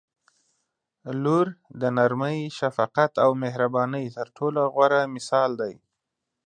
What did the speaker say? • لور د نرمۍ، شفقت او مهربانۍ تر ټولو غوره مثال دی.